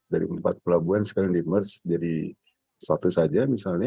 dari empat pelabuhan sekarang di merge jadi satu saja misalnya